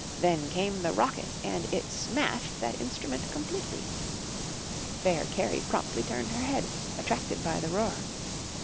Then came the rocket and it smashed That instrument completely. Fair Carrie promptly turned her head, Attracted by the roar.